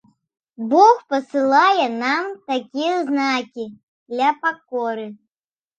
Бог пасылае нам такія знакі для пакоры.